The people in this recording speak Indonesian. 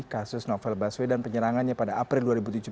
kasus novel baswedan penyerangannya pada april dua ribu tujuh belas